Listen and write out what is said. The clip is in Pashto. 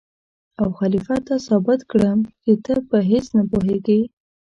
او خلیفه ته ثابت کړم چې ته په هېڅ نه پوهېږې.